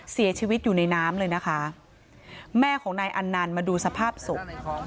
เสียชีวิตอยู่ในน้ำเลยนะคะแม่ของนายอันนันต์มาดูสภาพศพ